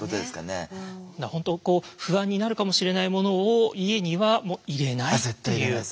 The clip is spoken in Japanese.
本当不安になるかもしれないものを家には入れないっていうことなんですね。